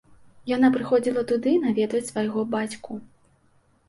Яна прыходзіла туды наведваць свайго бацьку.